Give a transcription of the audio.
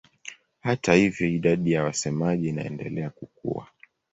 Hata hivyo idadi ya wasemaji inaendelea kukua.